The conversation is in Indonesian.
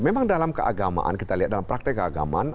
memang dalam keagamaan kita lihat dalam praktek keagamaan